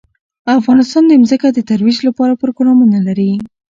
افغانستان د ځمکه د ترویج لپاره پروګرامونه لري.